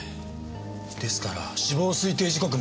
ですから死亡推定時刻もおのずと。